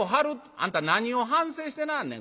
「あんた何を反省してなはんねん